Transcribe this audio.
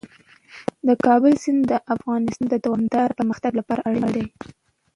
د کابل سیند د افغانستان د دوامداره پرمختګ لپاره اړین دی.